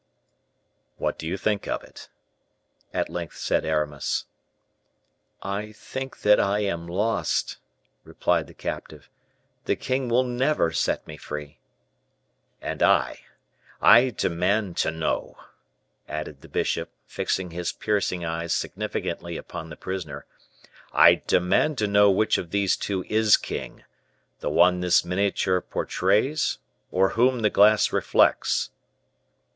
"What do you think of it?" at length said Aramis. "I think that I am lost," replied the captive; "the king will never set me free." "And I I demand to know," added the bishop, fixing his piercing eyes significantly upon the prisoner, "I demand to know which of these two is king; the one this miniature portrays, or whom the glass reflects?"